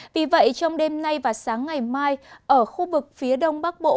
vì vậy trong đêm nay và sáng ngày mai ở khu vực phía đông bắc bộ